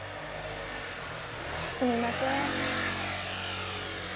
すみません。